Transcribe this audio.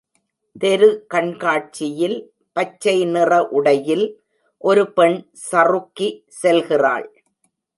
தெரு கண்காட்சியில் பச்சை நிற உடையில், ஒரு பெண் சறுக்கி செல்கிறாள்